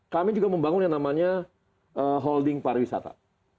kami juga membangun yang namanya holding pariwisata